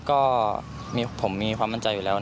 ก็ผมมีความมั่นใจอยู่แล้ว